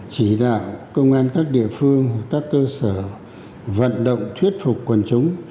chỉ đạo công an các địa phương các cơ sở vận động thuyết phục quần chúng